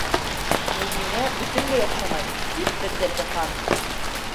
—Ул миңә бөтөнләй оҡшамай, —тип белдерҙе Хан.